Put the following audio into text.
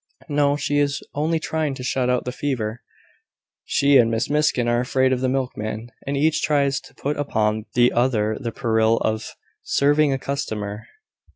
"No: she is only trying to shut out the fever. She and Miss Miskin are afraid of the milkman, and each tries to put upon the other the peril of serving a customer.